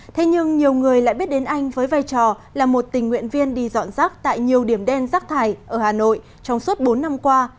thế nhưng nhiều người lại biết đến anh với vai trò là một tình nguyện viên đi dọn rác tại nhiều điểm đen rác thải ở hà nội trong suốt bốn năm qua